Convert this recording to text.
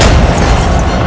amin ya rukh alamin